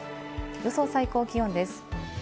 予想最高気温です。